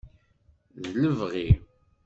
D lebɣi.